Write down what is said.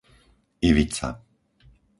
Ivica